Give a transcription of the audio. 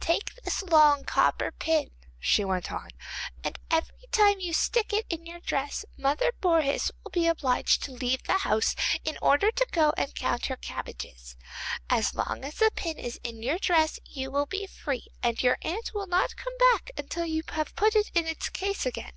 'Take this long copper pin,' she went on, 'and every time you stick it in your dress Mother Bourhis will be obliged to leave the house in order to go and count her cabbages. As long as the pin is in your dress you will be free, and your aunt will not come back until you have put it in its case again.